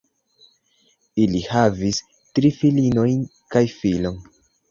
Ili havis tri filinojn kaj filon.